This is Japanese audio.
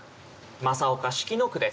正岡子規の句です。